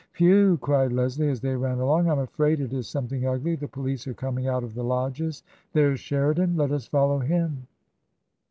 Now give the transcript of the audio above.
" Whew !" cried Leslie as they ran along. " I'm afraid it is something ugly. The police are coming out of the lodges. There's Sheridan ! Let us follow him."